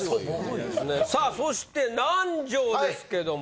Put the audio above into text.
さあそして南條ですけども。